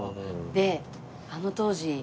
であの当時。